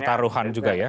pertaruhan juga ya